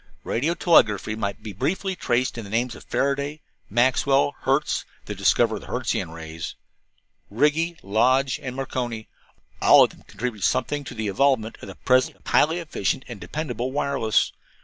"Radio telegraphy might be briefly traced in the names of Faraday, Maxwell, Hertz the discoverer of the Hertzian rays Righi, Lodge and Marconi. All of them contributed something to the evolvement of the present highly efficient and dependable wireless.